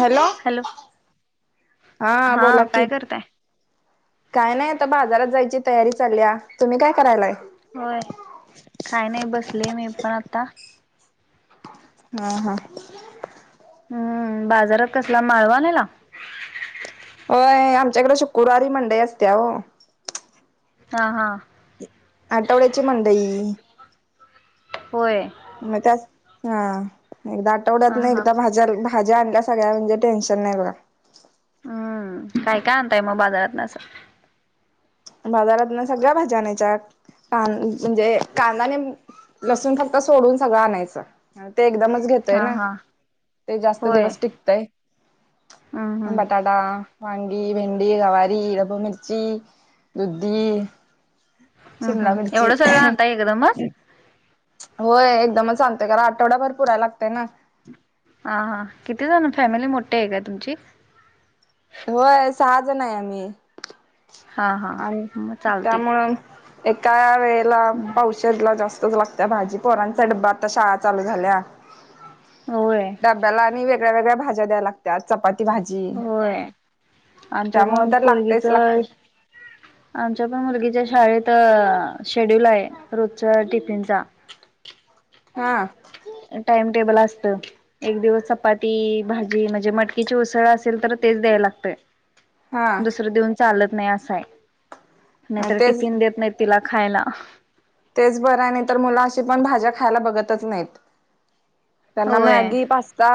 Hello हा बोला कि काय करताय काय नाही आता बाजारात जायची तयारी चालली तुम्ही काय करायलाय होय काय नाही बसले मी पण आता हम् हम हम्म बाजारात कसला माळवा आलेला होय आमच्याकडे शुक्रवारी मंडई असते्या हो हा हा आठवड्याची मंडई होय मग त्या हा एकदा आठवड्यात हा नाही हा एकदा भाज्या भाज्या आणल्या सगळ्या म्हणजे टेन्शन नाही बघ हम्म काय काय आणताय मग बाजारात न असं बाजारात ना सगळ्या भाजीण्याच्या क म्हणजे कांदाने लसूण फक्त सोडून सगळं आणायचं ते एकदमच घेतय हा ना हा ते जास्त होय दिवस टिकतय. हम्म हम्म बटाटा, वांंगी, भेंडी, गवारी, ढबु मिर्ची. दुधी, हम्म शिमला हम्म मिर्ची. एवढं सगळं आणताय एकदमच होय एकदमच आणतोय कारण आठवडाभर पुरायला लागतय ना. हा हा किती जण फॅमिली मोठी आहे काय तुमची. होय सहा जण आहे आम्ही. हा हा आणि मग चालते त्यामुळे एका वेळेला पावशर ला जास्त. लागत्या भाजी पोरांचा डबा आता शाळा चालू झाल्या. होय डब्याला आणि वेगळ्या वेगळ्या भाज्या द्याय लागत्यात. चपाती भाजी होय आमच्या त्यामुळे पण तर पोरगीच. लागतेच लागते आमच्या पण मुलगीच्या शाळेत शेड्यूल आहे. रोजच्या टिफिनचा [unintelligible] हा. टाइमटेबल असत एक दिवस चपाती, भाजी म्हणजे मटकीची उसळ असेल तर तेच द्यायला लागतंयं. हा दुसरं देऊन चालत नाही असं आहे. नाहीतर तेच टिफिन देत नाही तिला खायला. तेच बरं आहे नाही तर मुल अशी पण भाज्या खायला बघतच नाहीत. त्यांना होय मॅगी, पास्ता.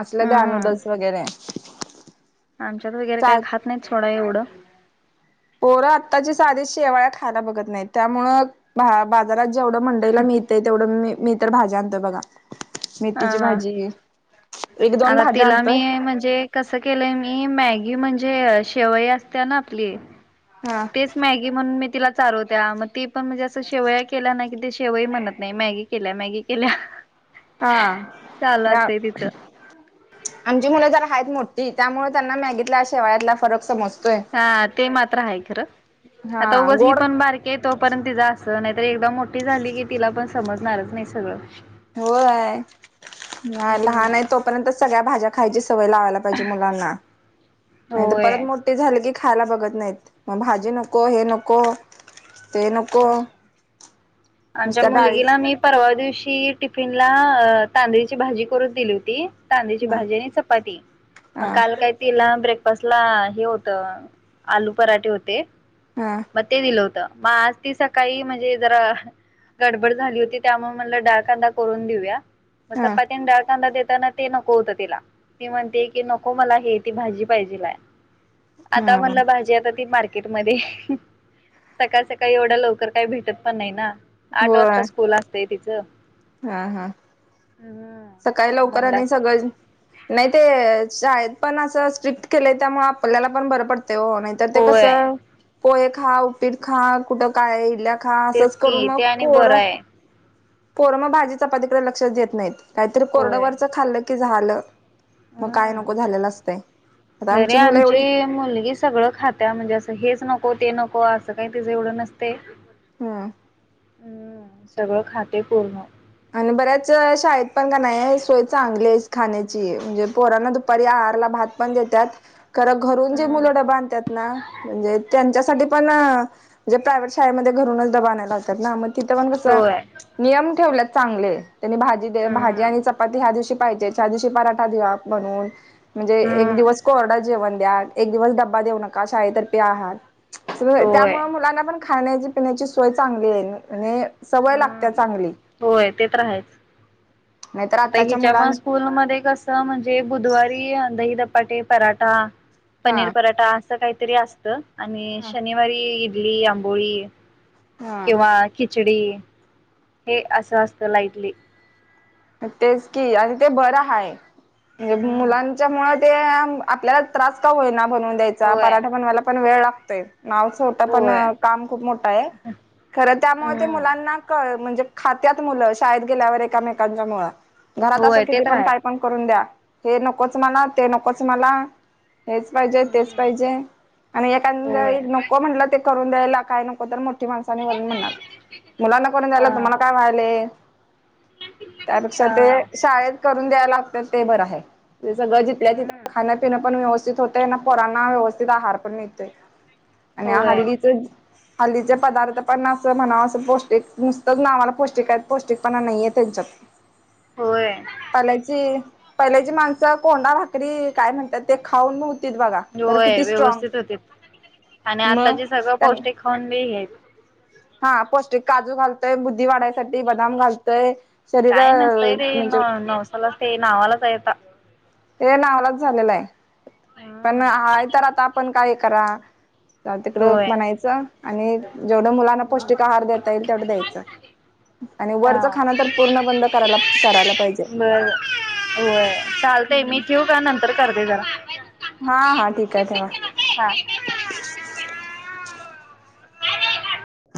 असल द्या हम्म नूडल्स वगैरे. आमच्यात वगैरे चा काही खात नाहीत सोडा एवढं. पोरं आत्ताची साधी शेवाळ खायला बघत नाही त्यामुळ बाजारात. जेवढं मंडईला मिळतय तेवढं मी मी तर भाज्या आणतोयं बघा. हा मेथीची हा भाजी. एक दोन आता भाज्या तिला मी आणतोय म्हणजे कस केलं मी मॅगी म्हणे -जे शेवई असते ना आपली हा तेच मॅगी म्हणून मी तिला चारवत्या मग ती पण म्हणजे असं शेवया केल्या नाही कि ते शेवई म्हणत नाही मॅगी केल्या मॅगी केल्या. चालू हा असतंय तिचं आमची मुलं जरा आहेत मोठ त्यामुळे त्यांना मॅगीतला शेवायातला फरक समजतो. हा ते मात्र आहे खरं हा आता उगच ही गोड पण बारकी आहे तोपर्यंत तिचं असं नाही तर एकदा मोठी झाली की तिला पण समजणारच नाही सगळं होय हम्म लहान आहे तोपर्यंत सगळ्या भाज्या खायच्या. सवय लावयला पाहिजे. मुलांना नाहीतर होय परत मोठी झाली की खायला बघत नाहीत. मग भाजी नको हे नको ते नको. आमच्या नुसत्या डाळीच मुलगीला मी परवा दिवशी टि- -फीनला तांदळीची भाजी करून दिली होती. तांदळीची हा भाजी आणि चपाती हा मग काल काय तिला ब्रेक- -फास्टला हे होत आलू पराठे होते. हा मग ते दिलं होतं. मग आज ती सकाळी म्हणजे जरा गडबड झाली होती त्यामुळे मला डा- -ळ कांदा करून देऊया मग हा चपातीने डाळ कांदा देताना ते न- -को होत तिला ती म्हणते की नको मला हे ती भाजी पाहिजे लाय आता हा म्हणलं भाजी आता ती मार्केटमध्ये सकाळ सकाळी एवढा लवकर काही भेटत पण नाही ना आठ होय वाजता स्कूल असतय तिचं हा हा. सकाळी हम्म लवकर म्हणला आणि सगळ नाही ते शाळेत पण असं स्ट्रिक्ट केलं त्यामुळे आपल्याला पण बरं पडत ते नाही तर ते कस होय पोहे खा उपीट खा कुठं काय इडल्या खा तेच असच करून की मग ते आणि पोर बरं आहे पोर मग भाजी चपातीकडे लक्षचं देत नाहीत. काहीतरी कोरडं होय वरचं खाल्ल की झालं. मग काय नको झालेलं असतय. तरीे आमची मुलगी सगळं खात्या म्हणजे असं हेच नको ते नको असं काही तीच एवढं नसते हम्म सगळं खाते पूर्ण आणि बऱ्याच शाळेत पण का नाही सोय चांगली आहे खाण्याची म्हणजे पोराना दुपारी आहारला भात पण देत्यात. खर घरून जे हम्म मुलं डबा आणत्यात ना म्हणजे त्याचा पण म्हणे प्रायव शाळेमध्ये घरूनच डब्बा आणायला लावताना. तिथं पण कस होय नियम ठेवले चांगले त्यांनी भाजी भाजी हम्म आणि चपाती ह्या दिवशी. पाहिजे च दिवशी पराठावा म्हणून म्हणजे एक हम्म दिवस कोरडर जेवण द्या. एक दिवस डबा देऊ नका शाहीेत पी आहात होय. त्यामुळे मुलांना पण.. खाण्याची पिण्याची सोय चांगली आहे म्ह सवय लागते हम्म चांगली. होय ते तर आहे नाहीतर आता आताच्या हिच्या मुलां पण स्कूल म कस म्हणजे बुधवारी दही दपाटे पराठा हा पनीर पराठा असं काहीतरी असत. आणि हा शनिवारी इडली आंबोळी हा किंवा खिचडी... हे असं असतं लाइटली.. तेच की आणि ते बरं हाय.. म्हणजे हम्म मुलांच्या मु ते आपल्याला त्रास का होईना.. बनवून द्यायचा होय पराठा बनवायला पण वेळ लागतोय. नाव छोट पण होय. काम खूप मोठं आहे खरं त्यामुळे ते हम्म मुलांना म्हणजे खात्यात मुलं शाळेत गेल्यावर एकामेकांच्या मुळं घरात होय असं ते किती तर पण आहे. काय पण करून द्या. हे नकोच मला ते नकोच मला. हेच पाहिजे तेच पाहिजे आणि एखादा होय एक नको म्हंटलं ते.. करून द्यायला काय नको तर मोठी माणसानी वून म्हणणार मुलांना करून अ अ द्यायला तुम्हाला काय व्हायले.. त्यापेक्ष ते शाळेत करून द्यायला लागतात ते बरं आहे. जसळं जिथल्या हम्म तिथे खाण्यापिनं पण व्यवस्थित होतय ना पोरांना व्यवस्थित आहार पण मिळतोय. आणि होय हल्लीच हल्लीचे पदार्थ पण असं म्हणाव असं पौष्टिक नुसतंच ना आवा्हाला पौष्टिक आहेत पौष्टिकपणा नाहीये त्यांच्यात. होय पालायचे पहिले जी माणसं कोंडा भाकरी काय म्हणतात ते खाऊन्ह.. होय व्यवस्थित होते. आणि मग आताची सगळं त्यां पौष्टिक खन बी आहेत. हा पौष्टिक काजू घालतोय बुद्धी वाढायसाठी बदाम घालतोय शरीर काय नसतंय ते म्हणजे न नऊसालाचते नावालाच येत. हे नावालाच झालेला आहे पण हम्म आहे तर आता आपण काय करा. तिकड होय म्हनायचं आणि जेवढं मुलांना पौष्टिक आहार देता येईल तेवढं द्यायचं. आणि हा वरचं खाण तर पूर्ण बंद करायला करायला पाहिजे. हो चालतेय मी ठेव का नंतर करते जरा. हा हा ठीक आहे ठेवा करत [inaudible]